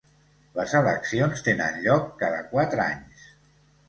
Les eleccions tenen lloc cada quatre anys.